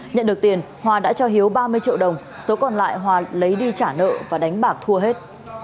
nhận được tiền hòa đã cho hiếu ba mươi triệu đồng số còn lại hòa lấy đi trả nợ và đánh bạc thua hết